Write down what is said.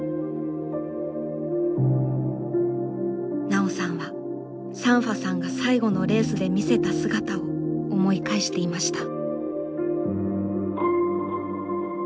奈緒さんはサンファさんが最後のレースで見せた姿を思い返していました。